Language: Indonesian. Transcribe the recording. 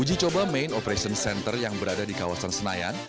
uji coba main operation center yang berada di kawasan senayan